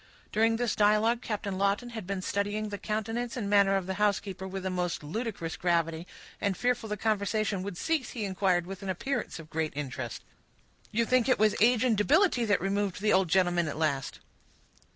During this dialogue Captain Lawton had been studying the countenance and manner of the housekeeper, with a most ludicrous gravity; and, fearful the conversation would cease, he inquired, with an appearance of great interest,— "You think it was age and debility that removed the old gentleman at last?"